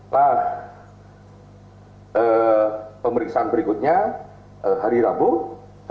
nah pemeriksaan berikutnya hari rabu terkait uji balistik